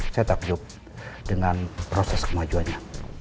saya takjub dengan proses kemajuannya